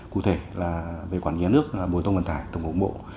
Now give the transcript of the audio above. cụ thể là về quản lý nước bồi tông vận tải tổng hộ bộ